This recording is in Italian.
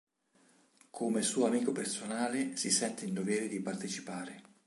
Come suo amico personale, si sente in dovere di partecipare.